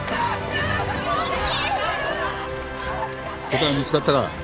答えは見つかったか？